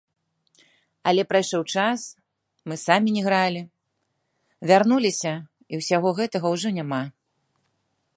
Але прайшоў час, мы самі не гралі, вярнуліся і ўсяго гэтага ўжо няма.